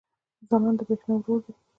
ځلاند د برېښنا ورور دی